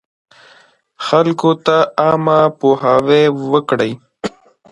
خلکو ته عامه پوهاوی ورکړئ.